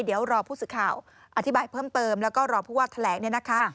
เดี๋ยวรอผู้สื่อข่าวอธิบายเพิ่มเติมแล้วก็รอผู้ว่าแถลงเนี่ยนะคะ